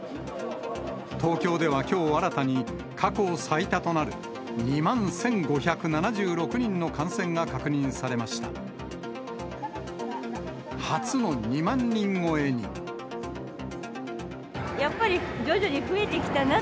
東京ではきょう、新たに過去最多となる２万１５７６人の感染が確認されました。